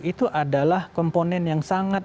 itu adalah komponen yang sangat